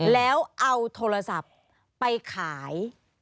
แล้วเอาโทรศัพท์ไปขาย